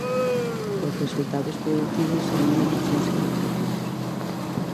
Os resultados produtivos aínda non son significativos.